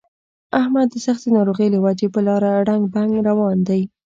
احمد د سختې ناروغۍ له وجې په لاره ړنګ بنګ روان دی.